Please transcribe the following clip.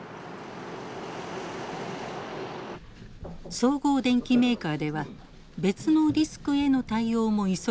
総合電機メーカーでは別のリスクへの対応も急いでいます。